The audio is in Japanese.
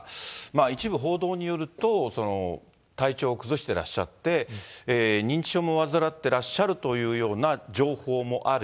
一部報道によると、体調を崩してらっしゃって、認知症も患ってらっしゃるという情報もある。